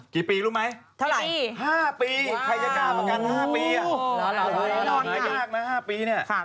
กี่ปีรู้ไหมเท่าไหร่๕ปีใครจะกล้าประกัน๕ปีหายากนะ๕ปีเนี่ย